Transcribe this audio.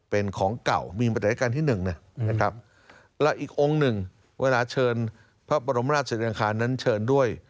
เป็นของเก่ามีบรรยากาศการที่หนึ่งนะครับและอีกองค์หนึ่งเวลาเชิญพระบรมราชอังคารนั้นเชิญด้วย